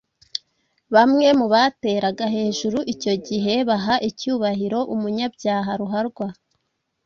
Bamwe mu bateraga hejuru icyo gihe baha icyubahiro umunyabyaha ruharwa,